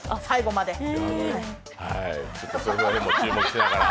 最後まで。